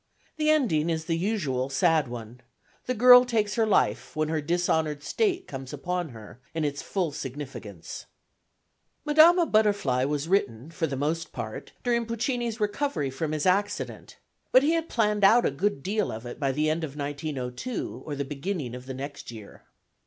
The ending is the usual sad one the girl takes her life when her dishonoured state comes upon her in its full significance. Madama Butterfly was written for the most part during Puccini's recovery from his accident; but he had planned out a good deal of it by the end of 1902 or the beginning of the next year.